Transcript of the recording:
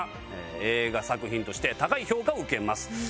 映画作品として高い評価を受けます。